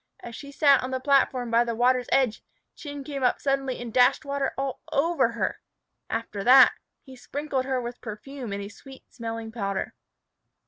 As she sat on the platform by the water's edge, Chin came up suddenly and dashed water all over her. After that, he sprinkled her with perfume and a sweet smelling powder.